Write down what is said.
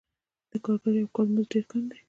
د کارګر د یوه کال مزد ډېر کم دی